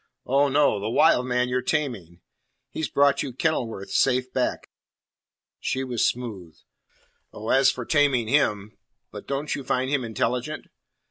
"Oh, no! The wild man you're taming. He's brought you Kenilworth safe back." She was smooth. "Oh, as for taming him! But don't you find him intelligent?"